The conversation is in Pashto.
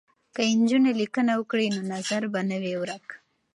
که نجونې لیکنه وکړي نو نظر به نه وي ورک.